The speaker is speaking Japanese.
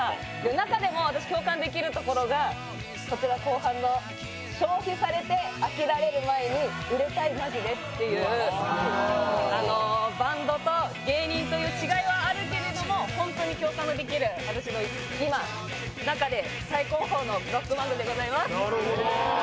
中でも私、共感できるところがこちら後半の「消費されて飽きられる前に売れたいマジで」っていうバンドと芸人という違いはあるけども、本当に共感のできる私の中で今、最高峰のロックバンドでございます。